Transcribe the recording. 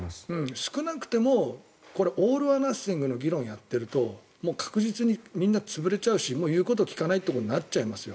少なくともオール・オア・ナッシングの議論をやっているともう確実にみんな潰れちゃうし言うこと聞かないとなっちゃいますよ。